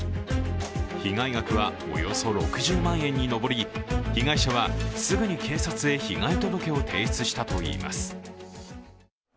被害額はおよそ６０万円に上り、被害者はすぐに警察へ被害届を提出したといいます。